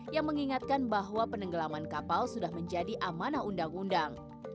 yang mengingatkan bahwa penenggelaman kapal sudah menjadi amanah undang undang